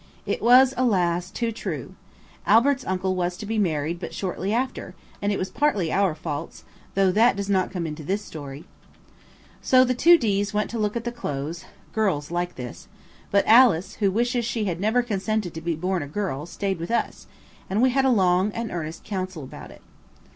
It was, alas! too true. Albert's uncle was to be married but shortly after, and it was partly our faults, though that does not come into this story. So the two D.'s went to look at the clothes–girls like this–but Alice, who wishes she had never consented to be born a girl, stayed with us, and we had a long and earnest council about it.